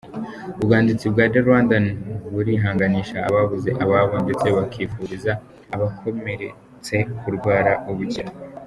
Ubwanditsi bwa The Rwandan burihanganisha ababuze ababo ndetse bukifuriza abakomeretse kurwara ubukira.